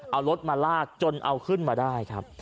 เอารถมาลากจนเอาขึ้นมาได้ครับ